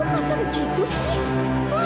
kok kasar gitu sih